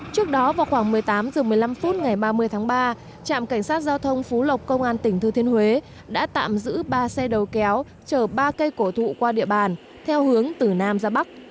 trước đó vào khoảng một mươi tám h một mươi năm phút ngày ba mươi tháng ba trạm cảnh sát giao thông phú lộc công an tỉnh thừa thiên huế đã tạm giữ ba xe đầu kéo chở ba cây cổ thụ qua địa bàn theo hướng từ nam ra bắc